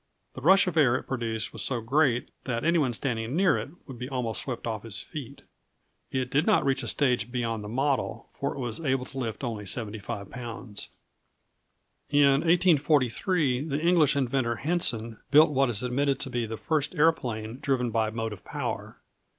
The rush of air it produced was so great that any one standing near it would be almost swept off his feet. It did not reach a stage beyond the model, for it was able to lift only 75 lbs. [Illustration: Stentzel's machine.] In 1843, the English inventor Henson built what is admitted to be the first aeroplane driven by motive power.